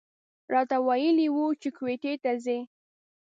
راته ویلي و چې کویټې ته ځي.